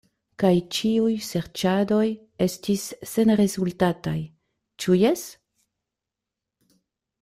Kaj ĉiuj serĉadoj estis senrezultataj; ĉu jes?